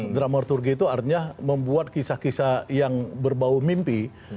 dramaturgi itu artinya membuat kisah kisah yang berbau mimpi